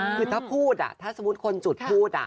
คือถ้าพูดถ้าสมมุติคนจุดพูด